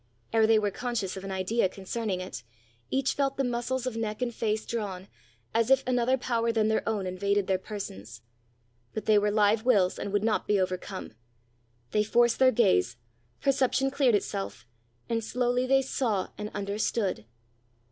Ere they were conscious of an idea concerning it, each felt the muscles of neck and face drawn, as if another power than their own invaded their persons. But they were live wills, and would not be overcome. They forced their gaze; perception cleared itself; and slowly they saw and understood.